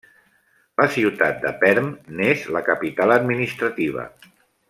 La ciutat de Perm n'és la capital administrativa.